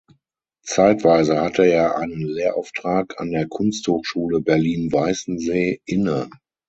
Zeitweise hatte er einen Lehrauftrag an der Kunsthochschule Berlin-Weißensee inne.